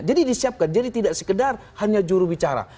jadi disiapkan jadi tidak sekedar hanya jurubicara